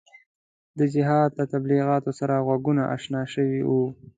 د جهاد له تبلیغاتو سره غوږونه اشنا شوي وو.